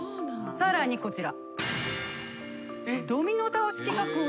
さらにこちら。